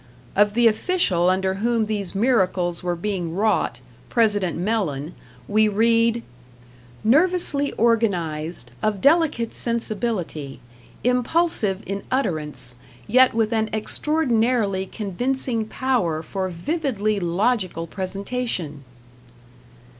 Of the official under whom these miracles were being wrought President Mellen we read: "Nervously organized, of delicate sensibility, impulsive in utterance, yet with an extraordinarily convincing power for vividly logical presentation."